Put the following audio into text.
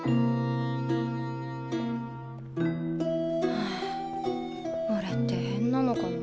はあおれって変なのかな。